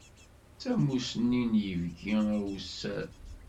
D tamusni n yibki awessar.